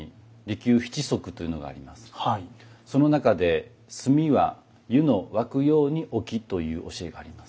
その中で「炭は湯の沸くように置き」という教えがあります。